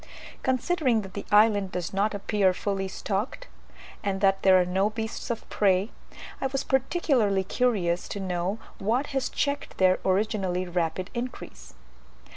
Considering that the island does not appear fully stocked, and that there are no beasts of prey, I was particularly curious to know what has checked their originally rapid increase.